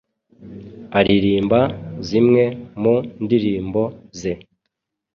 aririmba zimwe mu ndirimbo ze